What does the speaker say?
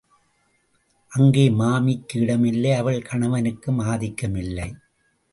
அங்கே மாமிக்கு இடம் இல்லை அவள் கணவனுக்கும் ஆதிக்கம் இல்லை.